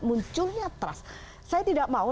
munculnya trust saya tidak mau